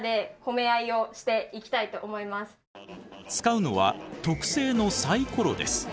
使うのは特製のサイコロです。